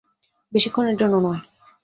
বেশিক্ষণের জন্য নয়!